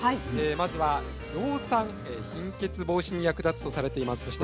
まずは葉酸貧血防止に役立つとされています。